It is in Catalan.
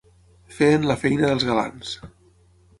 Feien la feina dels galants.